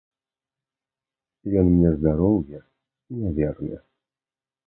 Ён мне здароўе не верне.